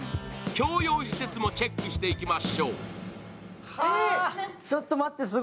共用施設もチェックしていきましょう。